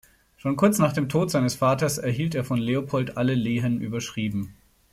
Schon kurz nach dem Tod seines Vaters erhielt er von Leopold alle Lehen überschrieben.